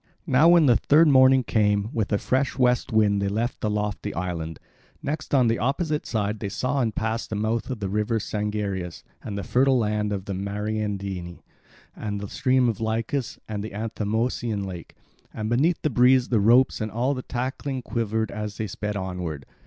Now when the third morning came, with a fresh west wind they left the lofty island. Next, on the opposite side they saw and passed the mouth of the river Sangarius and the fertile land of the Mariandyni, and the stream of Lycus and the Anthemoeisian lake; and beneath the breeze the ropes and all the tackling quivered as they sped onward.